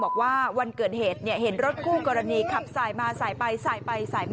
นั่งนั่งนั่งนั่งนั่งนั่งนั่งนั่งนั่งนั่งนั่งนั่งนั่งนั่ง